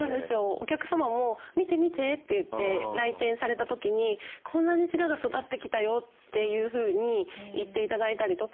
お客様も「見て見て」って言って来店された時に「こんなに白髪育ってきたよ」というふうに言って頂いたりとか。